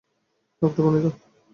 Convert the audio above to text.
একটু পানি নাও।